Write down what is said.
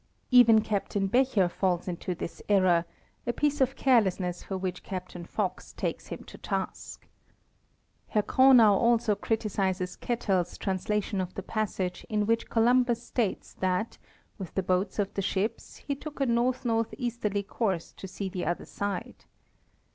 * Even Captain Becher falls into this error, a piece of carelessness for which Captain Fox takes him to task. Herr Cronau also criticises Kettell's translation of the passage in which Columbus states that, with the boats of the ships, he took a north northeasterly course to see the other side.